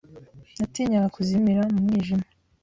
Natinyaga kuzimira mu mwijima.